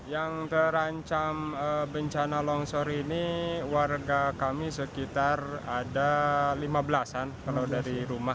yang terancam bencana longsor ini warga kami sekitar ada lima belas an kalau dari rumah